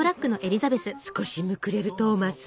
少しむくれるトーマス。